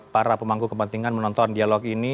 para pemangku kepentingan menonton dialog ini